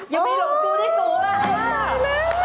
ยังมีโรงจู้ที่สูงแล้วค่ะ